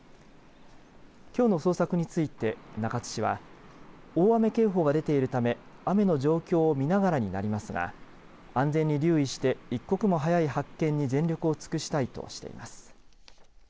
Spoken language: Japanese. きょうの捜索について中津市は大雨警報が出ているため雨の状況を見ながらになりますが安全に留意して一刻も早い発見に全力を尽くしたいとしています。